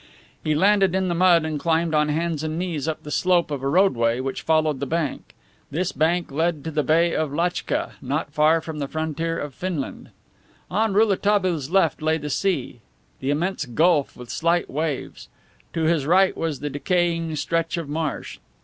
He landed in the mud and climbed on hands and knees up the slope of a roadway which followed the bank. This bank led to the Bay of Lachtka, not far from the frontier of Finland. On Rouletabille's left lay the sea, the immense gulf with slight waves; to his right was the decaying stretch of the marsh.